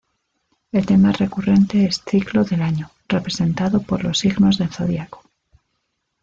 El tema recurrente es "Ciclo del Año" representado por los signos del Zodiaco.